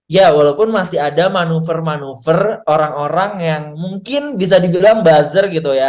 ya walaupun masih ada manuver manuver orang orang yang mungkin bisa dibilang buzzer gitu ya